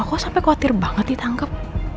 kok sampai khawatir banget ditangkap